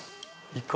イカ？